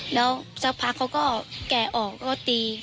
แล้วเจ้าพาเขาก็แกะออกก็ตี